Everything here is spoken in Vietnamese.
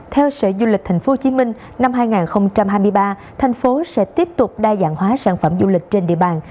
theo sở du lịch tp hcm năm hai nghìn hai mươi ba thành phố sẽ tiếp tục đa dạng hóa sản phẩm du lịch trên địa bàn